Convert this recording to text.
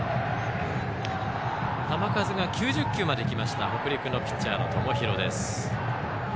球数９０球まで行きました北陸ピッチャーの友廣。